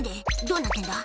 どうなってんだ」